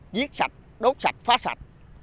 giết sạch đốt sạch phá sạch